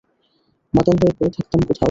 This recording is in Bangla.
মাতাল হয়ে পরে থাকতাম কোথাও।